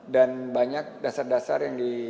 dan banyak dasar dasar yang diberikan